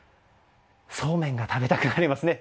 そうめんが食べたくなりますね。